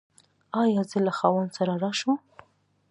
ایا زه له خاوند سره راشم؟